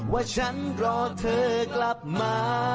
ว่าฉันรอเธอกลับมา